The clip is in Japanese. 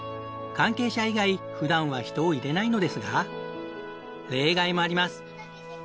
関係者以外普段は人を入れないのですが例外もあります。